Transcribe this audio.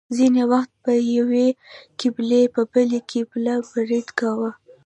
ځینې وخت به یوې قبیلې په بله قبیله برید کاوه.